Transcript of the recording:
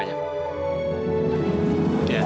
tidak apa apa satria